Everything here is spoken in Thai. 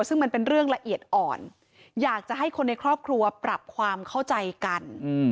ซึ่งมันเป็นเรื่องละเอียดอ่อนอยากจะให้คนในครอบครัวปรับความเข้าใจกัน